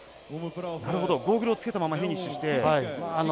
ゴーグルをつけたままフィニッシュして。